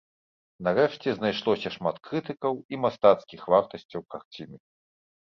Нарэшце, знайшлося шмат крытыкаў і мастацкіх вартасцяў карціны.